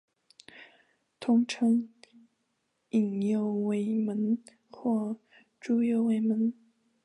通称伊又卫门或猪右卫门。